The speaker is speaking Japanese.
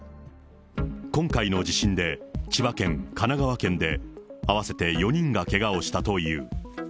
今回の地震で、千葉県、神奈川県で、合わせて４人がけがをしたという。